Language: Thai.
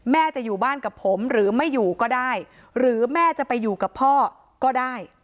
แม่จะอยู่บ้านกับผมหรือไม่อยู่ก็ได้หรือแม่จะไปอยู่กับพ่อก็ได้